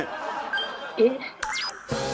えっ？